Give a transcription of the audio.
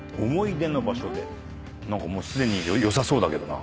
もうすでに良さそうだけどな。